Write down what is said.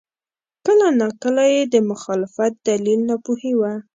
کله ناکله یې د مخالفت دلیل ناپوهي وه.